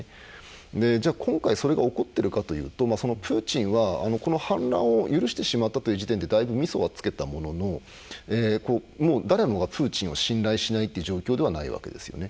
今回、それが起こっているかというとプーチンは反乱を許してしまった時点でだいぶ、みそはつけたものの誰もがプーチンを信頼しないという状況ではないわけですね。